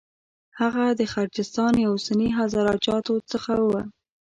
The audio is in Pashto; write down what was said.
هغه د غرجستان یا اوسني هزاره جاتو څخه و.